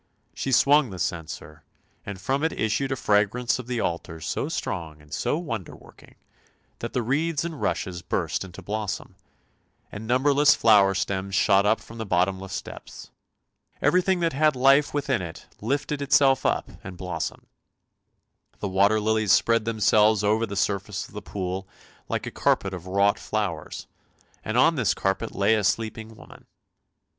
She swung the censer, and from it issued a fragrance of the altar so strong and so wonder working that the reeds and rushes burst into blossom, and numberless flower stems shot up from the bottomless depths ; everything that had life within it lifted itself up and blossomed. The water lilies spread themselves over the surface of the pool like a carpet of wrought flowers, and on this carpet lay a sleeping woman.